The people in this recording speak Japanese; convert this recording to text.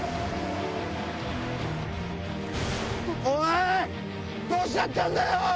おい、どうしちゃったんだよ。